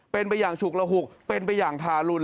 เป็นไปอย่างฉุกระหุกเป็นไปอย่างทารุณ